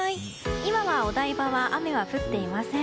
今はお台場は雨が降っていません。